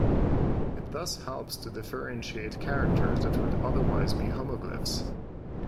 It thus helps to differentiate characters that would otherwise be homoglyphs.